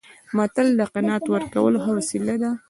متل د قناعت ورکولو ښه وسیله ده